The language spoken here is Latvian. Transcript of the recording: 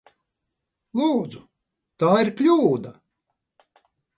Lūdzu! Tā ir kļūda!